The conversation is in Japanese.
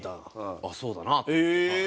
ああそうだなと思って。